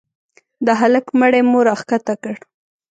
د هلك مړى مو راكښته كړ.